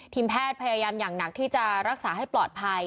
แพทย์พยายามอย่างหนักที่จะรักษาให้ปลอดภัย